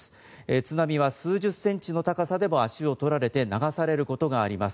津波は数十センチの高さでも足を取られて流されることがあります。